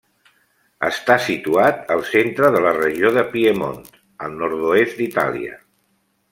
Està situat al centre de la regió de Piemont, al nord-oest d'Itàlia.